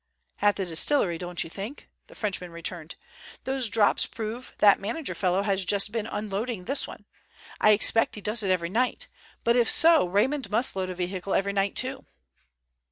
"At the distillery, don't you think?" the Frenchman returned. "Those drops prove that manager fellow has just been unloading this one. I expect he does it every night. But if so, Raymond must load a vehicle every night too."